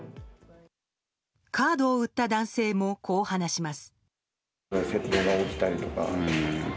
カードを売った男性もこう話します。